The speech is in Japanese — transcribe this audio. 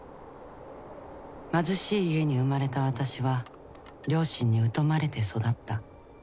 貧しい家に生まれた私は両親に疎まれて育った。